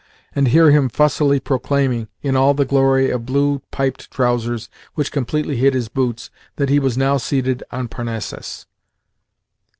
and hear him fussily proclaiming, in all the glory of blue piped trousers which completely hid his boots, that he was now seated on Parnassus.